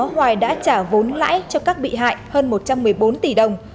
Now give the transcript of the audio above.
hoài đã trả vốn lãi cho các bị hại hơn một trăm một mươi bốn tỷ đồng